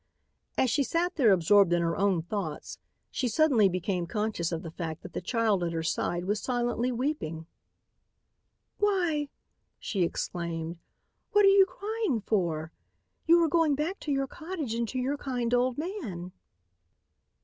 As she sat there absorbed in her own thoughts, she suddenly became conscious of the fact that the child at her side was silently weeping. "Why!" she exclaimed, "what are you crying for? You are going back to your cottage and to your kind old man."